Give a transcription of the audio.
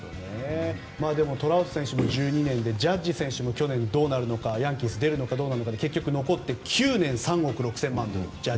トラウト選手も１２年でジャッジ選手も去年ヤンキースを出るのか、結局残って９年３億６０００万ドル。